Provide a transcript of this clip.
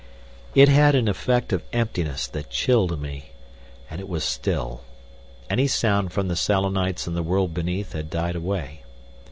It had an effect of emptiness that chilled me. And it was still. Any sound from the Selenites in the world beneath had died away.